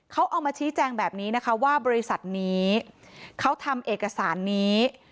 เขาเอามาชี้แจงแบบนี้นะคะว่าบริษัทนี้เขาทำเอกสารนี้